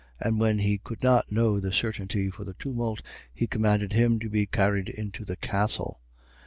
And when he could not know the certainty for the tumult, he commanded him to be carried into the castle.